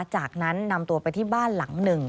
จากนั้นนำตัวไปที่บ้านหลังหนึ่ง